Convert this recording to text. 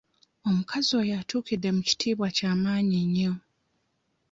Omukazi oyo atuukidde mu kitiibwa kya maanyi nnyo.